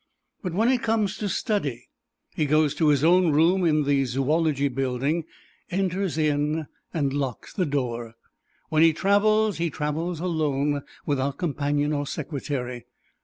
But when it comes to study he goes to his own room in the Zoology Building, enters in and locks the door. When he travels he travels alone, without companion or secretary.